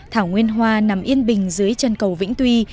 thảo nguyên hoa nằm yên bình dưới chân cầu vĩnh tuy